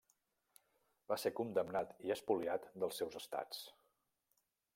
Va ser condemnat i espoliat dels seus estats.